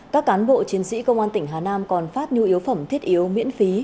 các cán bộ chiến sĩ công an tỉnh hà nam còn phát nhu yếu phẩm thiết yếu miễn phí